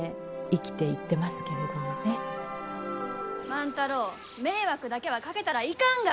万太郎迷惑だけはかけたらいかんが！